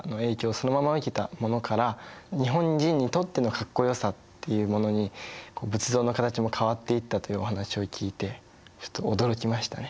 そのまま受けたものから日本人にとってのかっこよさっていうものに仏像の形も変わっていったというお話を聞いてちょっと驚きましたね。